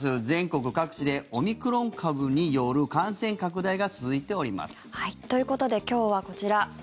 全国各地でオミクロン株による感染拡大が続いております。ということで今日はこちら。